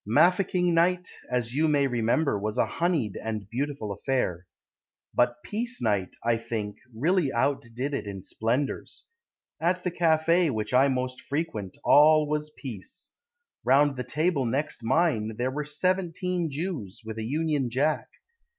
Mafeking night, As you may remember, Was a honeyed And beautiful affair. But Peace night, I think, Really outdid it in splendours. At the cafe Which I most frequent, All was Peace. Round the table next mine, There were seventeen Jews, With a Union Jack.